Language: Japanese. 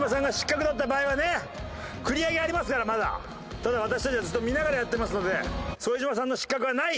ただ私たちはずっと見ながらやってますので。